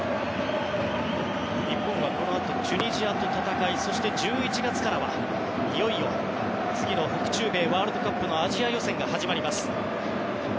日本はこのあとチュニジアと戦い１１月からはいよいよ次の北中米ワールドカップのアジア予選が始まります。